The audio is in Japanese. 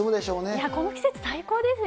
いや、この季節、最高ですよ